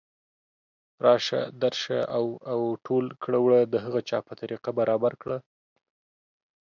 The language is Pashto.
راشه درشه او او ټول کړه وړه د هغه چا په طریقه برابر کړه